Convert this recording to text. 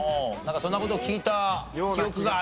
そんな事を聞いた記憶がある？